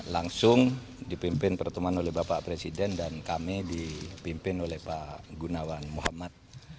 langsung dipimpin pertemuan oleh bapak presiden dan kami dipimpin oleh pak gunawan muhammad